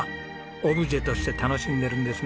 オブジェとして楽しんでるんですね。